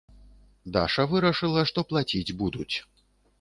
Даша вырашыла, што плаціць будуць.